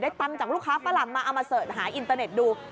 ได้ตันจากลูกค้าประหลังมาเอามาเสิร์ชหาอินเทอร์เน็ตดู